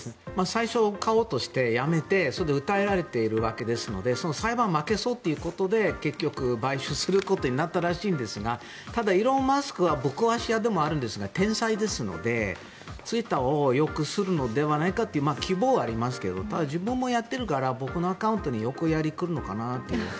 最初買おうとしてやめてそれで訴えられているわけですのでその裁判に負けそうということで結局、買収することになったらしいんですがただ、イーロン・マスクはぶっ壊し屋でもあるんですが天才ですので、ツイッターをよくするのではないかという希望はありますけどただ、自分もやっているから僕のアカウントに横やりが来るのかなと。